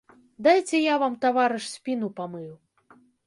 Дайце я вам, таварыш, спіну памыю.